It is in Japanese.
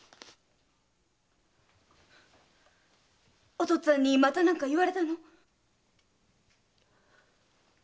お父っつぁんにまた何か言われたの？